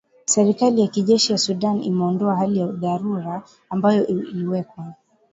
Serikali ya kijeshi ya Sudan imeondoa hali ya dharura ambayo iliwekwa